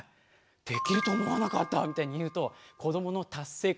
できると思わなかった」みたいに言うと子どもの達成感がすごい満たされる。